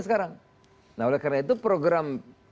sekarang nah oleh karena itu program